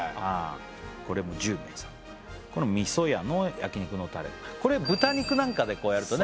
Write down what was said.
これも１０名様みそ屋の焼肉のタレこれ豚肉なんかでこうやるとね